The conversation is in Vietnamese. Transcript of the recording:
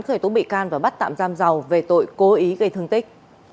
khởi tố bị can và bắt tạm giam dầu về tội cố ý gây thương tích